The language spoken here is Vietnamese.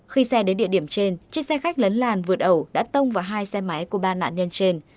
khi xe đến địa điểm trên chiếc xe khách lấn làn vượt ẩu đã tông vào hai xe máy của ba nạn nhân trên